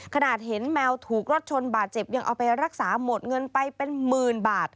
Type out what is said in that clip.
ขนาดเห็นแมวถูกรถชนบาดเจ็บยังเอาไปรักษาหมดเงินไปเป็นหมื่นบาท